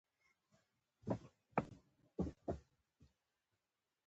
داسي